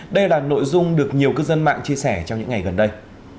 đây là nội dung được nhiều cư dân mạng chia sẻ trong những ngày gần đây